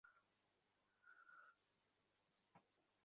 বিন্দুকে সেনদিদি একদিন একাই প্রায় তিনঘণ্টা কোণঠাসা করিয়া রাখিল।